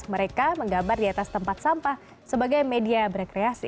mereka menggambar di atas tempat sampah sebagai media berkreasi